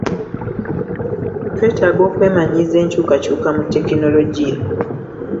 Twetaaga okwemanyiiza enkyukakyuka mu tekinologiya.